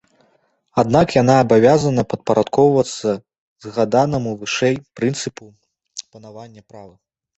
Аднак яна абавязана падпарадкоўвацца згаданаму вышэй прынцыпу панавання права.